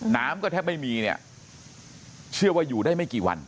น้ำก็แทบไม่มีเนี่ยเชื่อว่าอยู่ได้ไม่กี่วัน